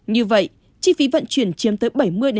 như vậy chi phí vận chuyển chiếm tới bảy mươi năm mươi